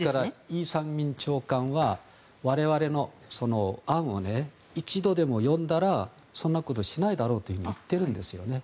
イ・サンミン長官は我々の案を一度でも読んだらそんなことしないだろうと言ってるんですよね。